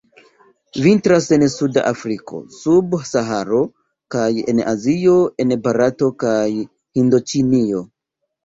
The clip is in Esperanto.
Vintras en suda Afriko sub Saharo, kaj en Azio en Barato kaj Hindoĉinio.